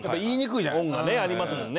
恩がねありますもんね。